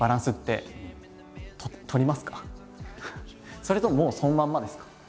それとももうそのままですか？